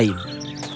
larina tetap sama